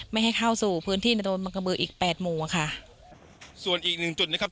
ไม่ให้เข้าสู่พื้นที่ในโดนบังกระบืออีกแปดหมู่อ่ะค่ะส่วนอีกหนึ่งจุดนะครับ